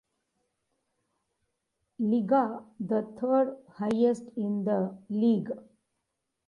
Liga, the third-highest in the league.